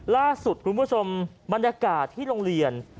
ล่าสุดคุณผู้ชมบรรยากาศที่โรงเรียน